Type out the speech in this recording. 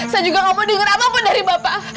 saya juga gak mau denger apa apa dari bapak